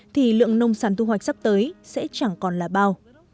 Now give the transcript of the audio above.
thì lượng nông sản thu hoạch sắp tới sẽ chẳng còn là bao